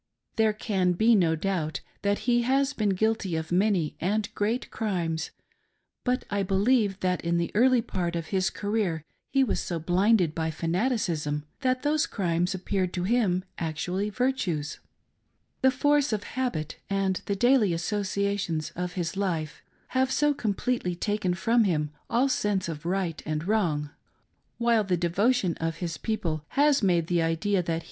There can be no doubt that he has been guilty of many and great crimes, but I believe that in the early part of his career he was so blinded by fanaticism that those crimes appeared to him actually virtues :— the force of habit and the daily associai tions of his life have so completely taken from him all sense of right and wrong ; while the devotion of his people has made the idea that